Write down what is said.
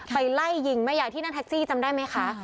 ไล่ยิงแม่ยายที่นั่งแท็กซี่จำได้ไหมคะ